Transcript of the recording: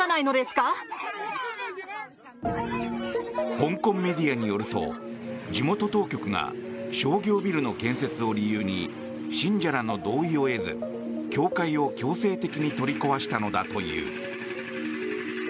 香港メディアによると地元当局が商業ビルの建設を理由に信者らの同意を得ず教会を強制的に取り壊したのだという。